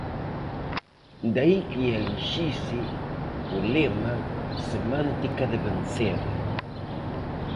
De aí que elixise o lema Semántica de vencer.